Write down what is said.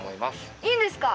いいんですか？